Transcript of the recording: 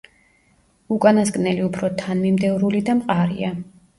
უკანასკნელი უფრო თანამიმდევრული და მყარია.